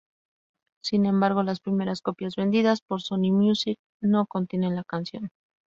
Sin embargo, las primeras copias vendidas por Sony Music no contienen la canción.